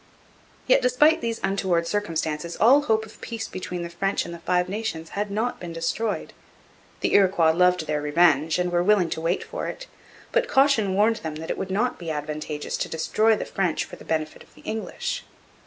Yet despite these untoward circumstances all hope of peace between the French and the Five Nations had not been destroyed. The Iroquois loved their revenge and were willing to wait for it, but caution warned them that it would not be advantageous to destroy the French for the benefit of the English.